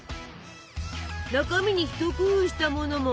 中身に一工夫したものも。